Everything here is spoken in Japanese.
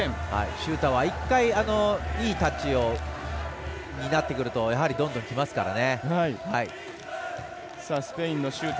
シューターは一回、いいタッチになってくるとやはり、どんどんきますからね。